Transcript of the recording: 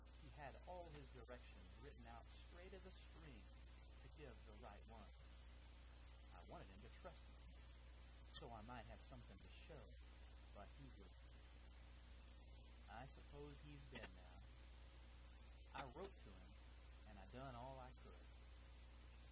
He had all his directions written out straight as a string to give the right ones. I wanted him to trust 'em to me, so I might have something to show, but he wouldn't. I suppose he's dead now. I wrote to him an' I done all I could.